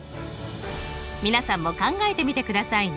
皆さんも考えてみてくださいね。